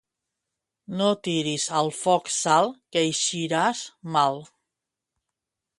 No tiris al foc sal, que eixiràs mal.